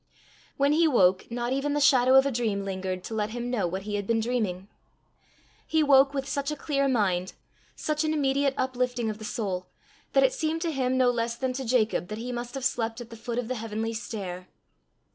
When he woke not even the shadow of a dream lingered to let him know what he had been dreaming. He woke with such a clear mind, such an immediate uplifting of the soul, that it seemed to him no less than to Jacob that he must have slept at the foot of the heavenly stair.